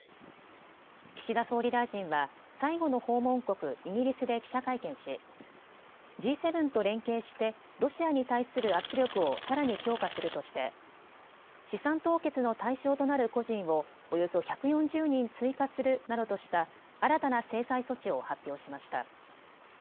岸田総理大臣は、最後の訪問国、イギリスで記者会見し、Ｇ７と連携して、ロシアに対する圧力をさらに強化するとして、資産凍結の対象となる個人をおよそ１４０人追加するなどとした、新たな制裁措置を発表しました。